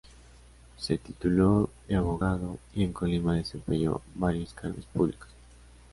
Se tituló de abogado y en Colima desempeñó varios cargos públicos.